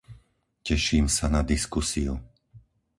Teším sa na diskusiu.